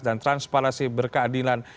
dan transparansi berkeadilan